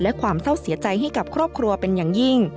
และความเศร้าเสียใจให้กับครอบครัวเป็นอย่างยิ่ง